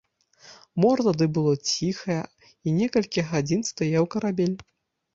Мора тады было ціхае, і некалькі гадзін стаяў карабель.